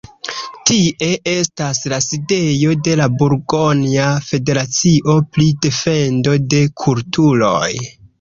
Tie estas la sidejo de la burgonja federacio pri defendo de kulturoj.